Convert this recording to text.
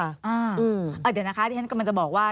เดี๋ยวนะคะที่ฉันกำลังจะบอกว่า